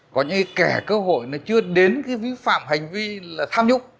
có những cái kẻ cơ hội nó chưa đến cái vi phạm hành vi là tham nhũng